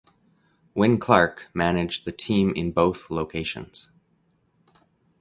Win Clark managed the team in both locations.